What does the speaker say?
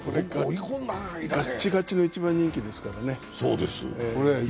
ガッチガチの一番人気ですからね。